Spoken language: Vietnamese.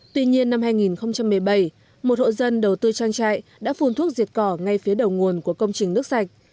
tuy nhiên năm hai nghìn một mươi bảy một hộ dân đầu tư trang trại đã phun thuốc diệt cỏ ngay phía đầu nguồn của công trình nước sạch